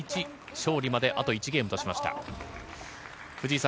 勝利まであと１ゲームとしました。